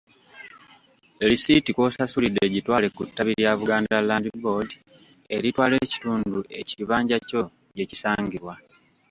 Lisiiti kw'osasulidde gitwale ku ttabi lya Buganda Land Board eritwala ekitundu ekibanja kyo gye kisangibwa.